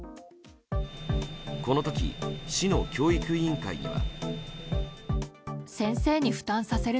この時、市の教育委員会には。